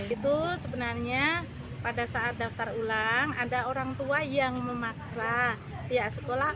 itu sebenarnya pada saat daftar ulang ada orang tua yang memaksa pihak sekolah